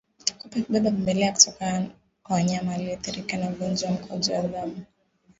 Kupe hubeba vimelea kutoka kwa mnyama aliyeathirika na ugonjwa wa mkojo damu